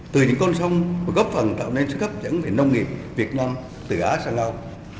từ những con sông và góp phần tạo nên sự hấp dẫn về nông nghiệp việt nam từ á sang lào